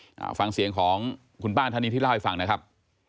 อ่าฟังเสียงของคุณป้าท่านนี้ที่เล่าให้ฟังนะครับ